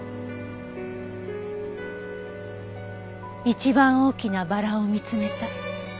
一番大きなバラを見つめた。